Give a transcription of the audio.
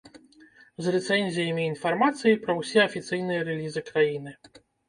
З рэцэнзіямі і інфармацыяй пра ўсе афіцыйныя рэлізы краіны.